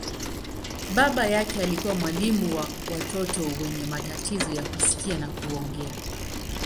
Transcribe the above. Baba yake alikuwa mwalimu wa watoto wenye matatizo ya kusikia na kuongea.